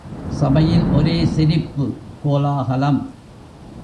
சபையில் ஒரே சிரிப்பு, கோலாகலம்.